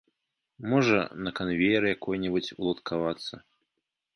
Можа, на канвеер якой-небудзь уладкавацца.